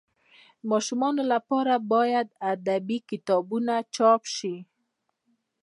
د ماشومانو لپاره باید ادبي کتابونه چاپ سي.